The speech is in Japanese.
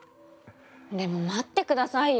でも待って下さいよ。